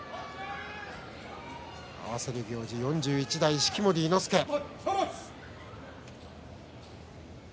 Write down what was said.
合わせる行司、式守伊之助です。